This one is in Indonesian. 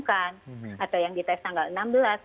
kami sudah melakukan pengumuman di rumah